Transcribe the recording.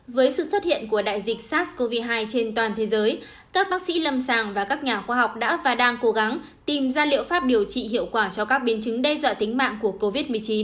với sự xuất hiện của đại dịch sars cov hai trên toàn thế giới các bác sĩ lâm sàng và các nhà khoa học đã và đang cố gắng tìm ra liệu pháp điều trị hiệu quả cho các biến chứng đe dọa tính mạng của covid một mươi chín